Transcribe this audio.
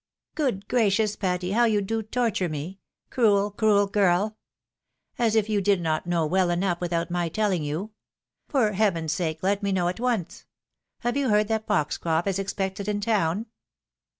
" Good gracious, Patty, how you do torture me ! Cruel, cruel girl ! As if you did not know well enough without my teUing you ! For Heaven's sake, let me know at once ! Have you heard that Foxcroft is expected in town?"